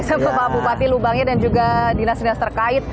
sama pak bupati lubangnya dan juga dinas dinas terkait